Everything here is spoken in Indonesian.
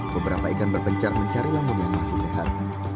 beberapa ikan berbencar mencari lamun yang masih sehat